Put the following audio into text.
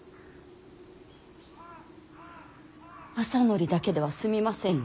政範だけでは済みませんよ。